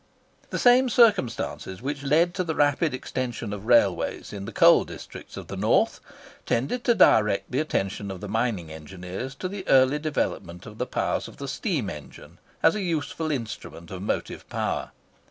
The same circumstances which led to the rapid extension of railways in the coal districts of the north tended to direct the attention of the mining engineers to the early development of the powers of the steam engine as a useful instrument of motive power.